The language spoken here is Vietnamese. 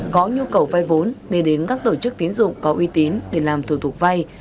có nhu cầu vay vốn nên đến các tổ chức tiến dụng có uy tín để làm thủ tục vay